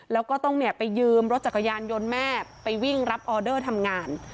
แล้วก็ต้องไปยืมรถจักรยานยนต์แม่ไปวิ่งรับออเดอร์ทำงาน